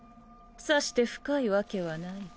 さして深いワケはない。